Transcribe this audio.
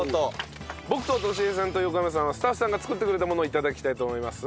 僕ととし江さんと横山さんはスタッフさんが作ってくれたものを頂きたいと思います。